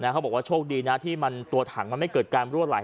เขาบอกว่าโชคดีนะที่ตัวถังมันไม่เกิดการรั่วไหล